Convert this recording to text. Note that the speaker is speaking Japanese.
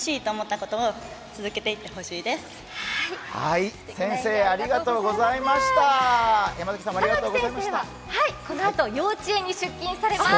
珠暉先生はこのあと、幼稚園に出勤されます。